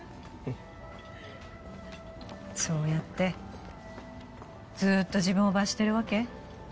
フッそうやってずっと自分を罰してるわけ？